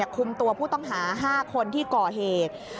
คุมตัวผู้ต้องหา๕คนที่ก่อเหตุ